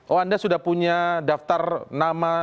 oh anda sudah punya daftar nama